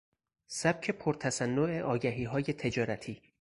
سبک پر تصنع آگهیهای تجارتی